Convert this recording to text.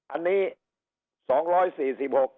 อันนี้๒๔๖องค์ประชุม๓๐๐๒๓๘